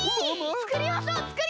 つくりましょうつくりましょう！